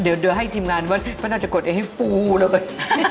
เดี๋ยวให้ทีมงานว่าพระนางจะกดเองให้ฟูเลย